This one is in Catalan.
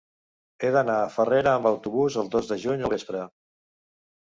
He d'anar a Farrera amb autobús el dos de juny al vespre.